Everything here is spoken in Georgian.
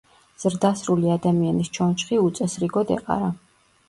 ზრდასრული ადამიანის ჩონჩხი უწესრიგოდ ეყარა.